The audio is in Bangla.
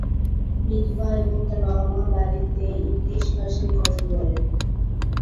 মিকভা এবং তার বাবা-মা বাড়িতে ইড্ডিশ ভাষায় কথা বলতেন।